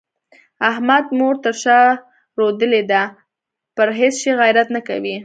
احمد مور تر شا رودلې ده؛ پر هيڅ شي غيرت نه کوي.